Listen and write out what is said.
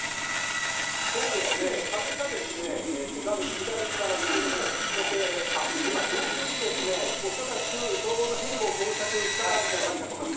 そうですね、風が画面の左から右のほう、そして、今、上空に恐らく消防のヘリも到着したんではないかと思います。